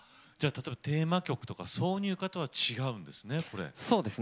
テーマ曲とか挿入歌とは違うんですね。